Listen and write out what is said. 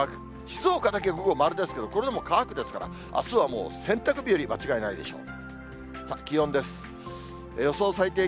静岡だけ午後丸ですけど、これでも乾くですから、あすはもう洗濯日和間違いないでしょう。